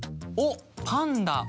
おっパンダ